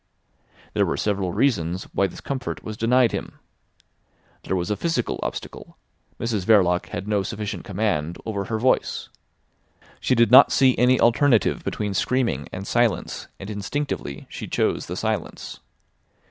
There were several reasons why this comfort was denied him. There was a physical obstacle: Mrs Verloc had no sufficient command over her voice. She did not see any alternative between screaming and silence, and instinctively she chose the silence.